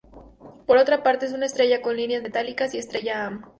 Por otra parte, es una estrella con líneas metálicas o estrella Am.